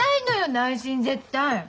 内心絶対。